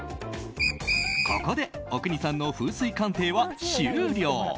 ここで阿国さんの風水鑑定は終了。